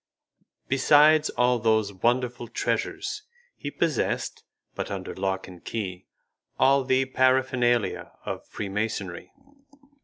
Besides all those wonderful treasures, he possessed, but under lock and key, all the paraphernalia of freemasonry.